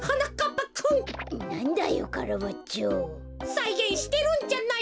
さいげんしてるんじゃない。